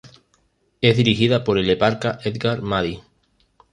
Es dirigida por el eparca Edgar Madi.